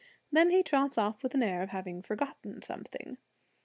Then he trots off with an air of having forgotten something.